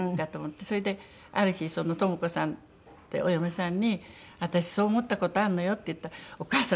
それである日知子さんってお嫁さんに「私そう思った事あるのよ」って言ったら「お義母さん